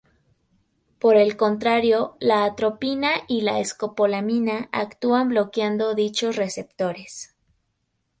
Por el contrario, la atropina y la escopolamina actúan bloqueando dichos receptores.